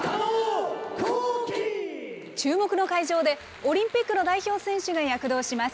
注目の会場で、オリンピックの代表選手が躍動します。